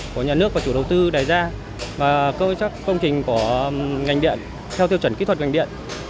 của nhà nước và chủ đầu tư đề ra và chắc công trình của ngành điện theo tiêu chuẩn kỹ thuật ngành điện